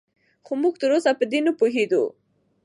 خو موږ تراوسه په دې نه پوهېدو